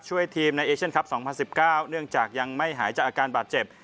ช่วยทีมในเอเชียนคลับ๒๐๑๙เนื่องจากยังไม่หายจากอาการบาดเจ็บ